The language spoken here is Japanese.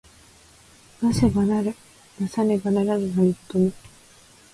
為せば成る為さねば成らぬ何事も。